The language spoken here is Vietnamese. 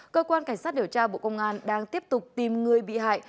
cơ quan cảnh sát điều tra bộ công an đang tiếp tục tìm người bị hại